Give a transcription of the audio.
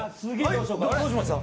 どうしました？